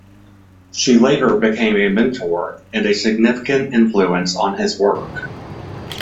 She later became a mentor and a significant influence on his work.